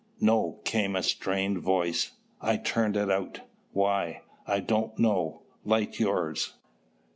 "No," came a strained voice. "I turned it out." "Why?" "I don't know. Light yours."